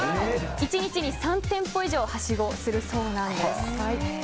１日に３店舗以上はしごするそうなんです。